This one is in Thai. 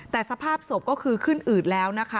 แต่สภาพศพก็คือขึ้นอืดแล้วนะคะ